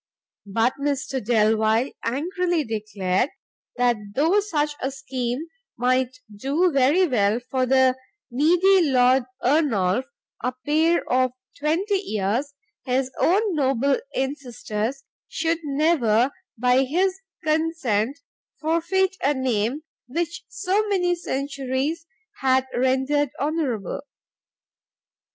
But Mr Delvile angrily declared, that though such a scheme might do very well for the needy Lord Ernolf, a Peer of twenty years, his own noble ancestors should never, by his consent, forfeit a name which so many centuries had rendered honourable.